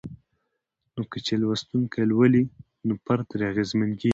نو کله چې لوستونکي لولي نو فرد ترې اغېزمن کيږي